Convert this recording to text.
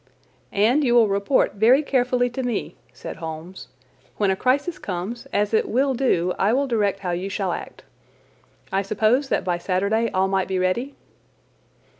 "And you will report very carefully to me," said Holmes. "When a crisis comes, as it will do, I will direct how you shall act. I suppose that by Saturday all might be ready?"